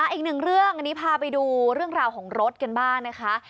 อีกหนึ่งเรื่องอันนี้พาไปดูเรื่องราวของรถกันบ้างนะคะ